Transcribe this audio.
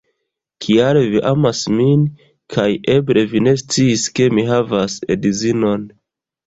Kial vi amas min kaj eble vi ne sciis ke mi havas edzinon